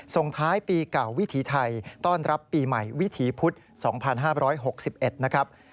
ส่งท้ายปีเก่าวิถีไทยต้อนรับปีใหม่วิถีพุธ๒๕๖๑นะครับ